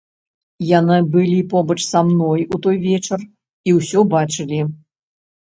Яны былі побач са мной у той вечар і ўсё бачылі.